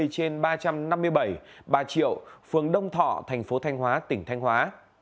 trên ba trăm năm mươi bảy ba triệu phường đông thọ tp thanh hóa tỉnh thanh hóa